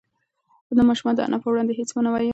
ماشوم د انا په وړاندې هېڅ نه ویل.